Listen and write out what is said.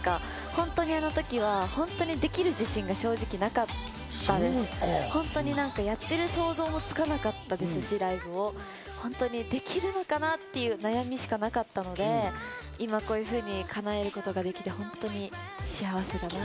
本当にあの時はできる自信が正直なくて、やってる想像もつかなかったですし、ライブをできるのかな？っていう悩みしかなかったので、今こういうふうに叶えることができて幸せだなって。